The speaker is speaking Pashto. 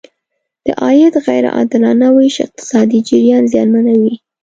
د عاید غیر عادلانه ویش اقتصادي جریان زیانمنوي.